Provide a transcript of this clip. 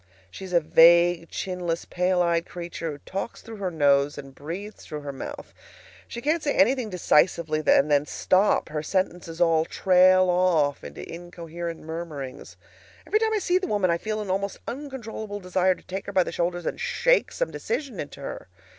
She's a vague, chinless, pale eyed creature, who talks through her nose and breathes through her mouth. She can't say anything decisively and then stop; her sentences all trail off into incoherent murmurings. Every time I see the woman I feel an almost uncontrollable desire to take her by the shoulders and shake some decision into her.